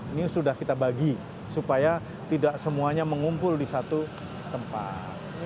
ini sudah kita bagi supaya tidak semuanya mengumpul di satu tempat